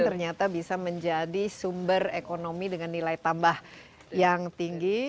ternyata bisa menjadi sumber ekonomi dengan nilai tambah yang tinggi